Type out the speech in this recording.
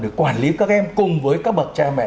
để quản lý các em cùng với các bậc cha mẹ